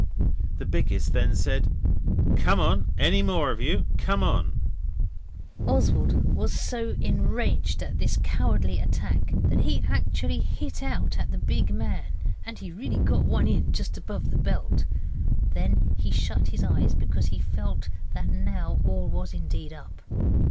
The biggest then said, 'Come on any more of you? Come on!' Oswald was so enraged at this cowardly attack that he actually hit out at the big man and he really got one in just above the belt. Then he shut his eyes, because he felt that now all was indeed up.